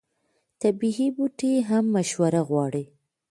طبیعي بوټي هم مشوره غواړي.